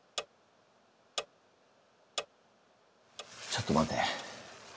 ちょっと待て。